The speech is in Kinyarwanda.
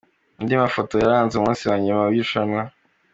Andi mafoto yaranze umunsi wa nyuma w’irushanwa.